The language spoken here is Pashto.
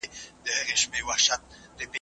مړ سړی په ډګر کي د ږدن او اتڼ سره مینه لري.